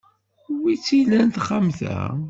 Wi tt-ilan texxamt-a?